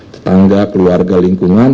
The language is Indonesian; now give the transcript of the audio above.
tetangga keluarga lingkungan